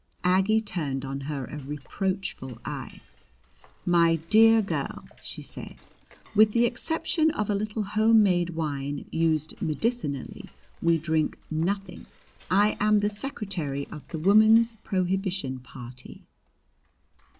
Aggie turned on her a reproachful eye. "My dear girl," she said, "with the exception of a little home made wine used medicinally we drink nothing. I am the secretary of the Woman's Prohibition Party."